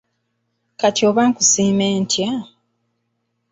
Kati oba nkusiime ntya?